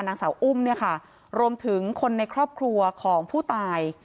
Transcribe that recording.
นางสาวอุ้มเนี่ยค่ะรวมถึงคนในครอบครัวของผู้ตาย